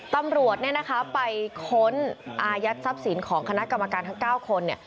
ตำรวจไปค้นอายัดทรัพย์สินของคณะกรรมการทั้ง๙คน